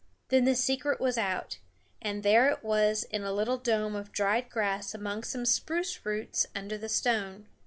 Then the secret was out, and there it was in a little dome of dried grass among some spruce roots under the stone.